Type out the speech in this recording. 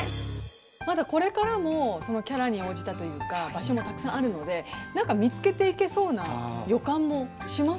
まだこれからもそのキャラに応じたというか場所もたくさんあるので何か見つけていけそうな予感もしますよね。